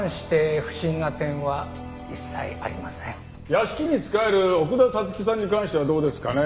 屋敷に仕える奥田彩月さんに関してはどうですかね？